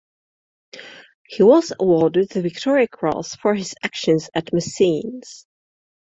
He was awarded the Victoria Cross for his actions at Messines.